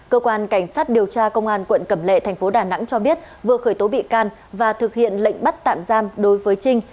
cơ quan cảnh sát điều tra công an quận cẩm lệ thành phố đà nẵng cho biết vừa khởi tố bị can và thực hiện lệnh bắt tạm giam đối với trinh